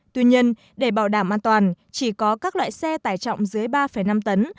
tuy nhiên để bảo đảm an toàn chỉ có các loại xe tải trọng dưới ba năm tấn